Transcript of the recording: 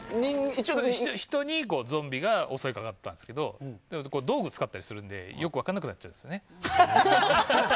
人にゾンビが襲いかかっていたんですけどでも、道具を使ったりするのでよく分かんなくなっちゃいますね。